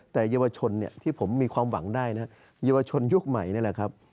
แต่เยาวชนเนี่ยที่ผมมีความหวังได้นะเยาวชนยุคใหม่นี่แหละครับ